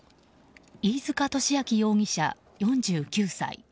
飯塚敏明容疑者、４９歳。